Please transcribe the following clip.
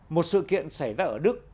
một sự kiện xảy ra ở đức